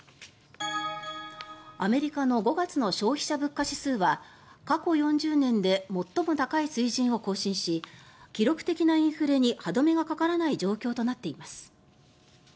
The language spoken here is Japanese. アメリカの５月の消費者物価指数は過去４０年で最も高い水準を更新し記録的なインフレに歯止めがかからない状況となっています。